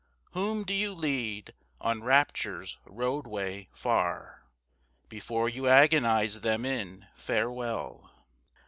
Whom do you lead on Rapture's roadway, far, Before you agonise them in farewell?